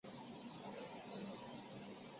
故事开端为第一季故事的七年之后。